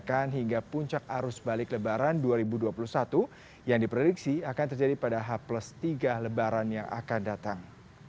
akan hingga puncak arus balik lebaran dua ribu dua puluh satu yang diprediksi akan terjadi pada h tiga lebaran yang akan datang